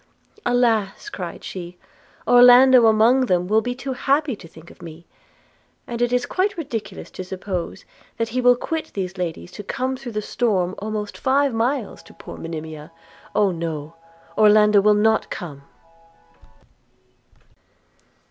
'Alas!' cried she, 'Orlando, among them, will be too happy to think of me; and it is quite ridiculous to suppose, that he will quit these ladies to come through the storm almost five miles to poor Monimia. No, no! Orlando will not come.'